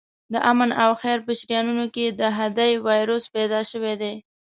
د آمن او خیر په شریانونو کې د خدۍ وایروس پیدا شوی دی.